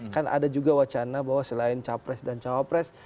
kan ada juga wacana bahwa selain capres dan cawapres